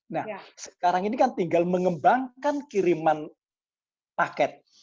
nah sekarang ini kan tinggal mengembangkan kiriman paket